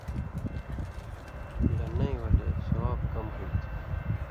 لہ نَیں ولے ثواب کم ہُوئ تھُو